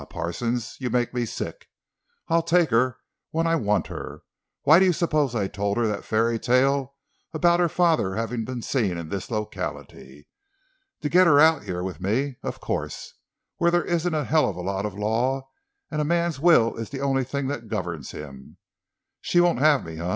Parsons, you make me sick! I'll take her when I want her! Why do you suppose I told her that fairy tale about her father having been seen in this locality? To get her out here with me, of course—where there isn't a hell of a lot of law, and a man's will is the only thing that governs him. She won't have me, eh?